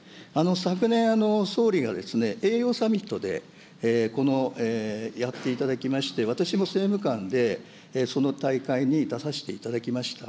昨年、総理が栄養サミットでやっていただきまして、私も政務官で、その大会に出させていただきました。